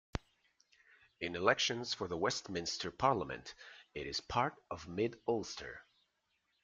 In elections for the Westminster Parliament it is part of Mid Ulster.